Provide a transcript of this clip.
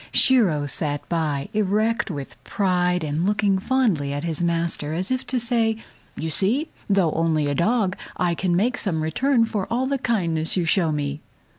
Shiro sat by erect with pride and looking fondly at his master as if to say, "You see, though only a dog, I can make some return for all the kindness you show me."